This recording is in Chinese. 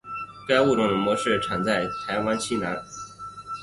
该物种的模式产地在台湾西南。